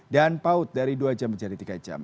dan paut dari dua jam menjadi tiga jam